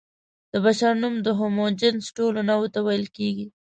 د بشر نوم د هومو جنس ټولو نوعو ته ویل کېږي.